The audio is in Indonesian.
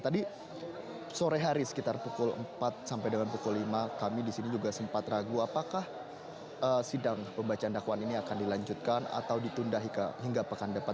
tadi sore hari sekitar pukul empat sampai dengan pukul lima kami disini juga sempat ragu apakah sidang pembacaan dakwaan ini akan dilanjutkan atau ditunda hingga pekan depan